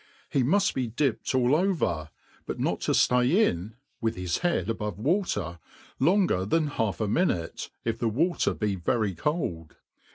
He mud be dipped all over, but not to ftay in (with his head above water) longer than half a minute, if the water be very cold.